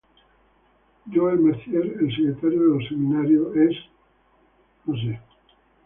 Joël Mercier, el secretario de los seminarios es el Mons.